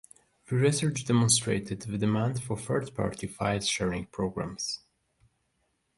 The research demonstrated the demand for third-party file sharing programs.